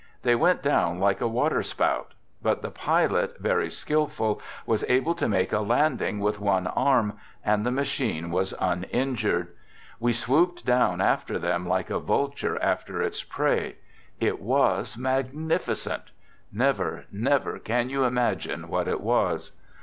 They went down like a water spout ; but the pilot, very skillful, was able to make a landing with one arm, and the machine was uninjured. We swooped down after them like a vulture after its prey; it was magnificent. Never, never can you imagine what it was.